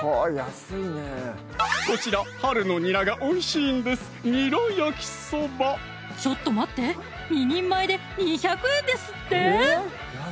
こちら春のニラがおいしいんですちょっと待って２人前で２００円ですって？